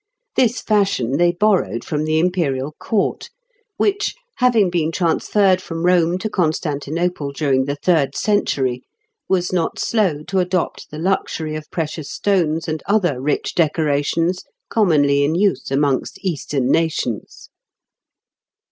This fashion they borrowed from the Imperial court, which, having been transferred from Rome to Constantinople during the third century, was not slow to adopt the luxury of precious stones and other rich decorations commonly in use amongst Eastern nations.